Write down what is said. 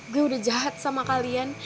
gue udah jahat sama kalian